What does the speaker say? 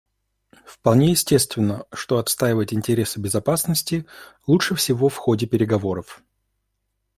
Вполне естественно, что отстаивать интересы безопасности лучше всего в ходе переговоров.